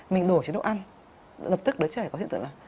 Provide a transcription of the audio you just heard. mình đổ chế độ ăn lập tức đứa trẻ có hiện tượng là